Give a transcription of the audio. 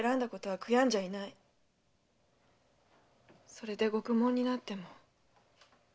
それで獄門になっても。